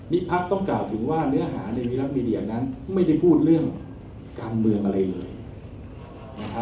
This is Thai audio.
นี่พักต้องกล่าวถึงว่าเนื้อหาในวีรักมีเดียนั้นไม่ได้พูดเรื่องการเมืองอะไรเลยนะครับ